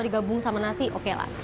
digabung sama nasi oke lah